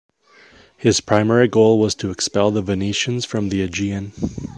His primary goal was to expel the Venetians from the Aegean.